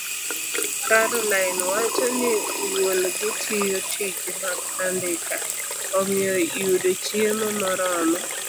Caroline wacho ni wuon-gi tiyo tije mag andika, omiyo yudo chiemo moromo